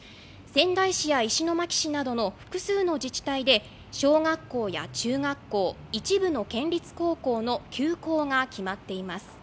仙台市や石巻市など複数の自治体で小学校や中学校、一部の県立高校の休校が決まっています。